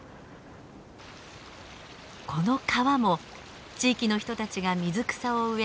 この川も地域の人たちが水草を植え